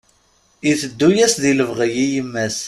Iteddu-yas di lebɣi i yemma-s.